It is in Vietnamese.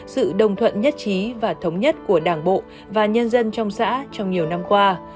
sự đồng thuận nhất trí và thống nhất của đảng bộ và nhân dân trong xã trong nhiều năm qua